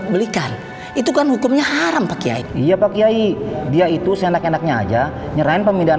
belikan itu kan hukumnya haram pakai iya pak yai dia itu sendak endaknya aja nyerahin pemindahan